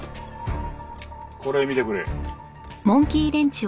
これ見てくれ。